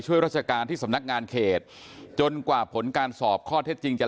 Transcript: ราชการที่สำนักงานเขตจนกว่าผลการสอบข้อเท็จจริงจะ